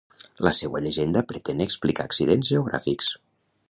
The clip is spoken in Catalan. La seua llegenda pretén explicar accidents geogràfics.